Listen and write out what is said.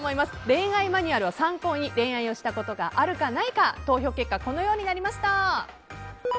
恋愛マニュアルを参考に恋愛したことがあるかないか投票結果、このようになりました。